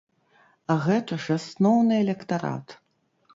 А гэта ж асноўны электарат.